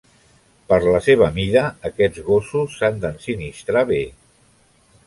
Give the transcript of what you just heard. Per la seva mida, aquests gossos s'han d'ensinistrar bé.